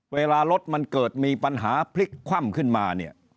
เวลารถมันเกิดมีปัญหาพลิกคว่ำขึ้นมาเนี่ย